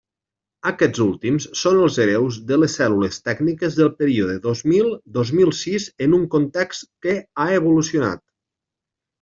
Aquests últims són els hereus de les cèl·lules tècniques del període dos mil dos mil sis en un context que ha evolucionat.